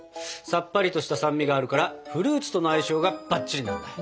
さっぱりとした酸味があるからフルーツとの相性がバッチリなんだ。